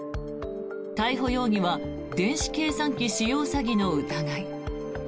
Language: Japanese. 逮捕容疑は電子計算機使用詐欺の疑い。